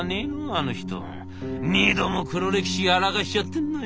あの人２度も黒歴史やらかしちゃってんのよ。